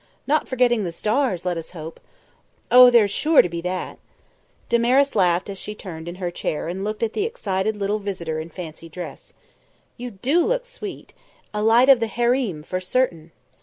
"Not forgetting the stars, let us hope?" "Oh, there's sure to be that." Damaris laughed as she turned in her chair and looked at the excited little visitor in fancy dress. "You do look sweet. A Light of the Harem, for certain."